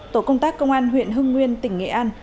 tổ công tác công an huyện hưng nguyên tỉnh nghệ an